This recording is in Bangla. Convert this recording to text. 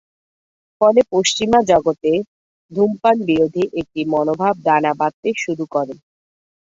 ফলে পশ্চিমা জগতে ধূমপান-বিরোধী একটি মনোভাব দানা বাঁধতে শুরু করে।